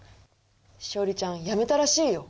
しおりちゃん辞めたらしいよ